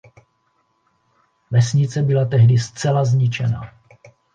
Vesnice byla tehdy zcela zničena.